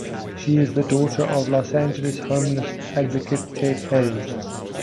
She is the daughter of Los Angeles homeless advocate Ted Hayes.